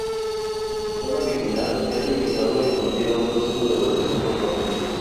Cada original es revisado y sometido a un proceso de evaluación por pares.